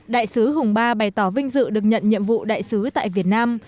đại sứ hùng ba bày tỏ vinh dự được nhận nhiệm vụ đại sứ tại việt nam